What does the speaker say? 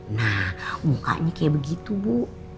nah mukanya kayak begitu bu